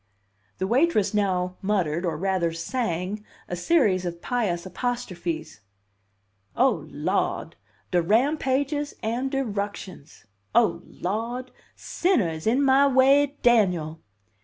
The waitress now muttered, or rather sang, a series of pious apostrophes. "Oh, Lawd, de rampages and de ructions! Oh, Lawd, sinner is in my way, Daniel!"